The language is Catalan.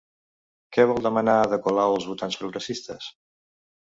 Què vol demanar Ada Colau als votants progressistes?